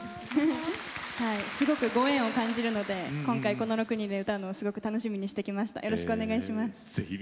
すごくご縁を感じるので今回この６人で歌うのをすごく楽しみにしてきました。